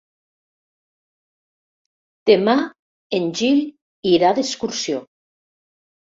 Demà en Gil irà d'excursió.